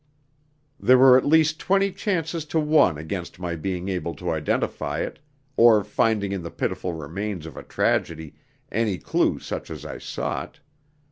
There were at least twenty chances to one against my being able to identify it, or finding in the pitiful remains of a tragedy any clue such as I sought.